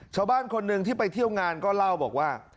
ชาวบ้านคนหนึ่งที่ไปเที่ยวงานก็เล่าบอกว่า